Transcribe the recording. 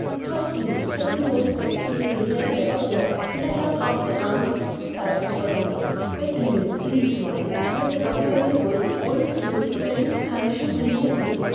It was Billy, but the most subdued Billy I ever saw, and I held out my arms and started for him. "Wait a minute, please, Molly," said the doctor in a voice he always uses when he's punishing Billy and me.